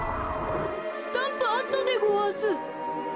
スタンプあったでごわす。